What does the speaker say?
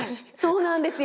そうなんですよ。